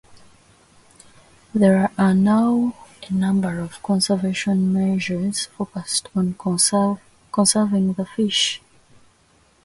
There are now a number of conservation measures focused on conserving the fish.